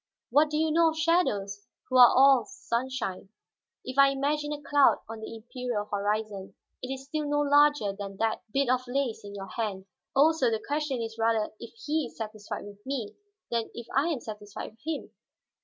"What do you know of shadows, who are all sunshine? If I imagine a cloud on the imperial horizon, it is still no larger than that bit of lace in your hand. Also, the question is rather if he is satisfied with me, than if I am satisfied with him.